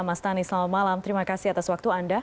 mas tani selamat malam terima kasih atas waktu anda